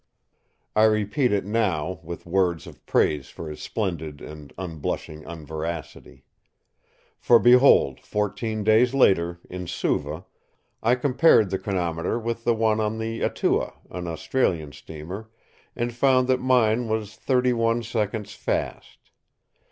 I repeat it now, with words of praise for his splendid and unblushing unveracity. For behold, fourteen days later, in Suva, I compared the chronometer with the one on the Atua, an Australian steamer, and found that mine was thirty one seconds fast.